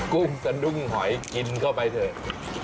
กุ้งสะดุ้งหอยกินเข้าไปเถอะ